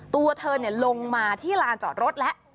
ตัวเธอลงมาที่ลานจอดรถแล้ว